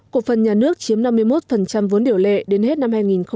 cổ phần nhà nước chiếm năm mươi một vốn điều lệ đến hết năm hai nghìn một mươi chín